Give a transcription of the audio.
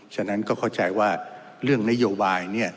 ฉะนั้นก็เข้าใจว่าเรื่องนโยบายเนี่ย